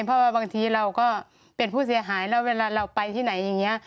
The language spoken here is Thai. เพราะว่าบางทีเราก็เป็นผู้เสียหายแล้วเวลาเราไปที่ไหนอย่างนี้